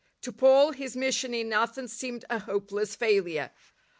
To Paul, his mission in Athens seemed a hopeless failure.